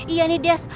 iya nih des